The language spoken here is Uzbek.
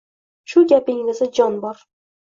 Shu gapingizda jon bor